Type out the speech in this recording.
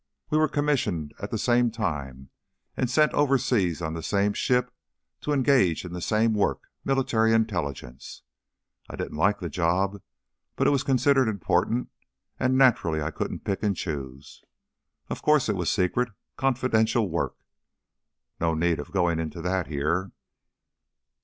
We were commissioned at the same time and sent overseas on the same ship to engage in the same work military intelligence. I didn't like the job, but it was considered important, and naturally I couldn't pick and choose. Of course it was secret, confidential work. No need of going into that here.